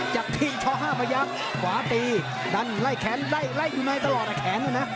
จากที่ช้อ๕ประยับขวาตีดันไล่แขนไล่ไล่อยู่ในตลอดแหละแขนนะ